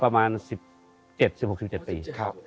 ประมาณ๑๗๑๖๑๗ปี